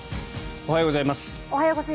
おはようございます。